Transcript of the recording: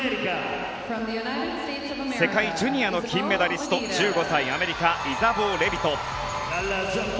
世界ジュニアの金メダリスト１５歳、アメリカイザボー・レビト。